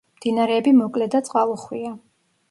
მდინარეები მოკლე და წყალუხვია.